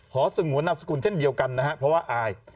สงวนนามสกุลเช่นเดียวกันนะครับเพราะว่าอาย